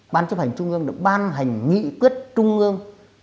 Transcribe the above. ban chấp hành trung ương đã ban hành nghị quyết trung ương